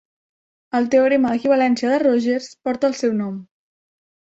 El teorema d'equivalència de Rogers porta el seu nom.